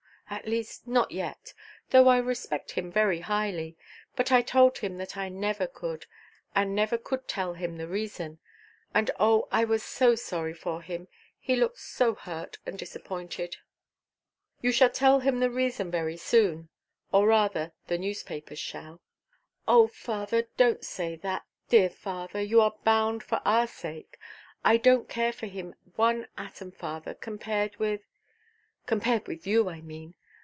At least, not yet, though I respect him very highly. But I told him that I never could, and never could tell him the reason. And oh, I was so sorry for him—he looked so hurt and disappointed." "You shall tell him the reason very soon, or rather the newspapers shall." "Father, donʼt say that; dear father, you are bound for our sake. I donʼt care for him one atom, father, compared with—compared with you, I mean.